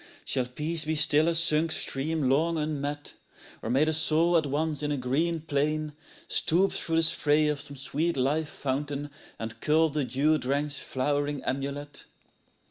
Shall Peace be still a sunk stream long unmet, â Or may the soul at once in a green plain Stoop through the spray of some sweet life fountain And cull the dew drenched flowering amulet?